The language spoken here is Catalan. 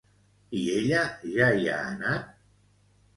I ella ja hi ha anat?